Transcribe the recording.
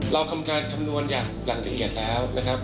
เราทำการคำนวณอย่างละเอียดแล้วนะครับ